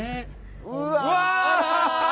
うわ！